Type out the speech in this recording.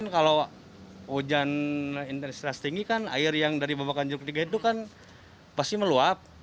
kalau hujan interstres tinggi kan air yang dari babakan juruk tiga itu kan pasti meluap